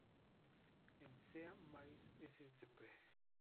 En Zea mays ssp.